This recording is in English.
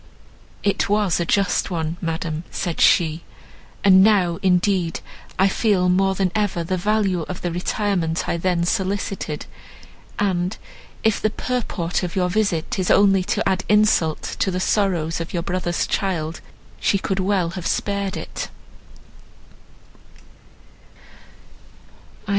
"It was a just one, madam," said she; "and now, indeed, I feel more than ever the value of the retirement I then solicited; and, if the purport of your visit is only to add insult to the sorrows of your brother's child, she could well have spared it."